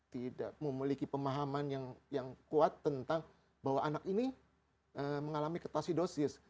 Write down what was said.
tidak memiliki pemahaman yang kuat tentang bahwa anak ini mengalami ketasidosis